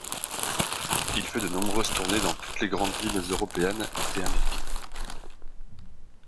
Il fait de nombreuses tournées dans toutes les grandes villes européennes et américaines.